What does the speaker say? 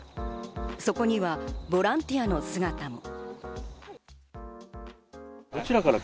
そこにはボランティアの姿も。